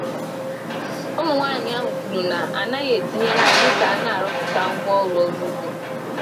Ụmụ nwaanyị ahụ kwuru na anaghị etinye ha dịka a na-arụpụta ngwaọrụ ọrụ ugbo.